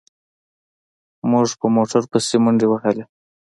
موږ په موټر پسې منډې وهلې.